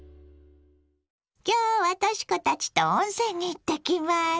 今日はとし子たちと温泉に行ってきます。